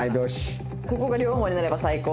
ここが両思いになれば最高。